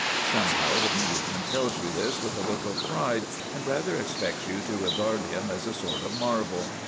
Somehow the Englishman tells you this with a look of pride, and rather expects you to regard him as a sort of marvel.